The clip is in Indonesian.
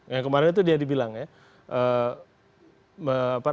yang kemarin itu dia dibilang ya